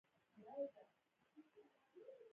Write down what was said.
که د دوی کارخانې او ماشینونه په خپل واک کې نه دي.